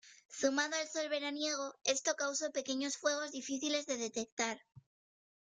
Sumado al sol veraniego, esto causó pequeños fuegos difíciles de detectar.